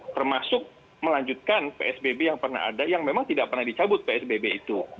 termasuk melanjutkan psbb yang pernah ada yang memang tidak pernah dicabut psbb itu